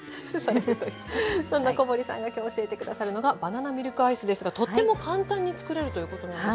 そんな小堀さんが今日教えて下さるのがバナナミルクアイスですがとっても簡単につくれるということなんですが。